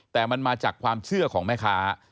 แต่มันมาจากความเชื่อของแม่ค้า